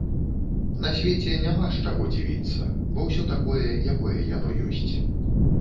На свеце няма з чаго дзівіцца, бо ўсё такое, якое яно ёсць.